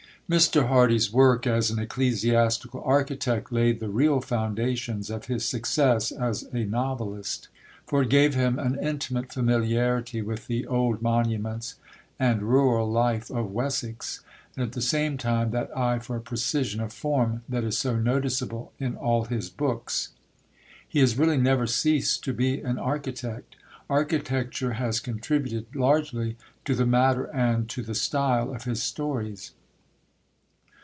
Mr. Hardy's work as an ecclesiastical architect laid the real foundations of his success as a novelist; for it gave him an intimate familiarity with the old monuments and rural life of Wessex, and at the same time that eye for precision of form that is so noticeable in all his books. He has really never ceased to be an architect. Architecture has contributed largely to the matter and to the style of his stories.